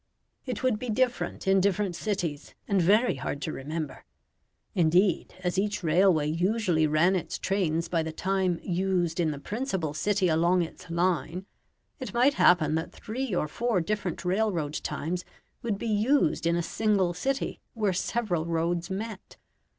It would be different in different cities, and very hard to remember. Indeed, as each railway usually ran its trains by the time used in the principal city along its line, it might happen that three or four different railroad times would be used in a single city where several roads met.